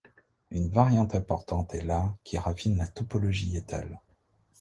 Une variante importante est la qui rafine la topologie étale.